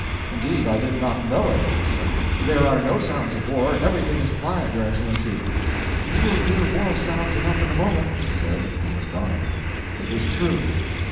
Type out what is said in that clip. "Indeed I did not know it," I said; "there are no sounds of war; everything is quiet, your Excellency." "You will hear war sounds enough in a moment," she said, and was gone. It was true.